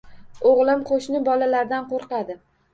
O'g'lim qo'shni bolalardan qo'rqadi.